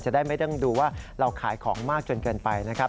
จะได้ไม่ต้องดูว่าเราขายของมากจนเกินไปนะครับ